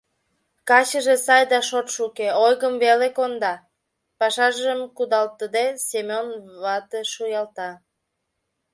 — Качыже сай да шотшо уке, ойгым веле конда, — пашажым кудалтыде, Семён вате шуялта.